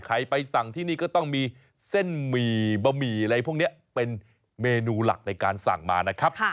ใครไปสั่งที่นี่ก็ต้องมีเส้นหมี่บะหมี่อะไรพวกนี้เป็นเมนูหลักในการสั่งมานะครับ